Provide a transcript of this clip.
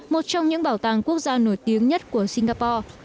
một trong những bảo tàng quốc gia nổi tiếng nhất của singapore